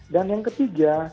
dan yang ketiga